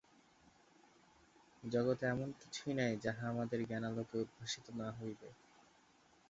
জগতে এমন কিছুই নাই, যাহা আমাদের জ্ঞানালোকে উদ্ভাসিত না হইবে।